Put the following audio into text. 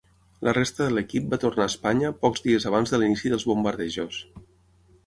La resta de l'equip va tornar a Espanya pocs dies abans de l'inici dels bombardejos.